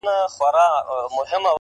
ککرۍ يې دي رېبلي دې بدرنگو ککریو.